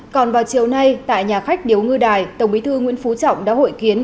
còn vào chiều nay tại nhà khách điêu ngư đài tổng bí thư nguyễn phú trọng đã hội kiến